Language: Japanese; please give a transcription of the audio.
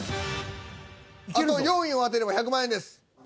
あと４位を当てれば１００万円です。